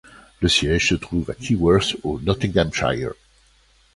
Le siège se trouve à Keyworth, au Nottinghamshire.